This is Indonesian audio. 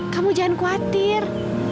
kamu jangan khawatir